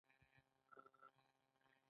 ګازرې په ځمکه کې لاندې کیږي